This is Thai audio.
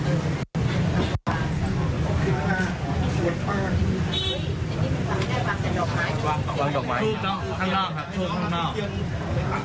มิตรสหายทุกคนของท่าน